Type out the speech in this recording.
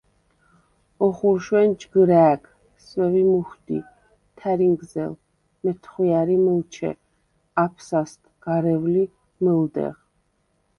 ოხურშვენ ჯგჷრა̄̈გ – სვევი მუჰვდი, თა̈რინგზელ – მეთხვია̈რი მჷლჩე, აფსასდ – გარევლი მჷლდეღ.